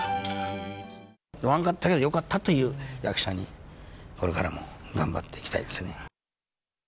ワンカットでもよかったっていう役者に、これからも頑張っていきたいですね。